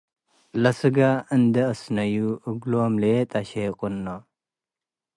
ለስጋ እንዴ አስነዩ እግሎም ሌጠ ሼቅኖ ።